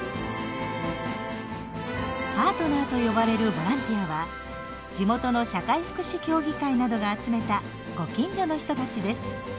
「パートナー」と呼ばれるボランティアは地元の社会福祉協議会などが集めたご近所の人たちです。